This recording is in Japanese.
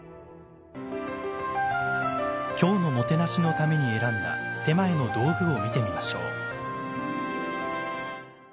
今日のもてなしのために選んだ点前の道具を見てみましょう。